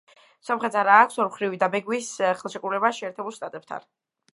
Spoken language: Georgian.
სომხეთს არ აქვს ორმხრივი დაბეგვრის ხელშეკრულება შეერთებულ შტატებთან.